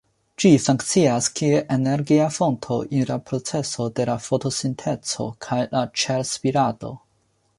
Ĝi funkcias kiel energia fonto en la procesoj de la fotosintezo kaj la ĉel-spirado.